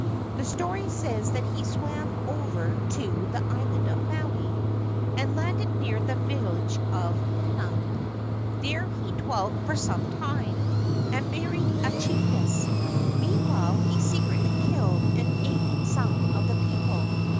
The story says that he swam over to the island of Maui and landed near the village Hana. There he dwelt for some time, and married a chiefess. Meanwhile he secretly killed and ate some of the people.